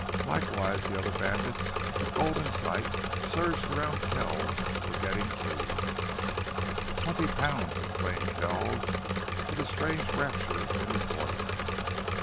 Likewise the other bandits, with gold in sight, surged round Kells, forgetting Cleve. "Twenty pounds!" exclaimed Kells, with a strange rapture in his voice.